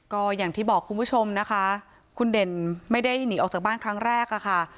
ก็อย่างที่บอกคุณผู้ชมนะคะคุณเด่นไม่ได้หนีออกจากบ้านครั้งแรกอะค่ะ